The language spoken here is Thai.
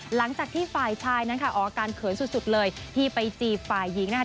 หลังจากที่ฝ่ายชายนั้นค่ะออกอาการเขินสุดเลยที่ไปจีบฝ่ายหญิงนะคะ